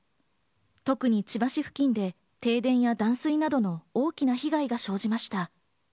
特に千葉市付近で停電や断水などの大きな被害が生じました。